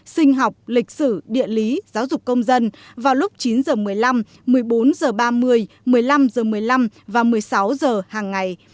sinh học lịch sử địa lý giáo dục công dân vào lúc chín h một mươi năm một mươi bốn h ba mươi một mươi năm h một mươi năm và một mươi sáu h hàng ngày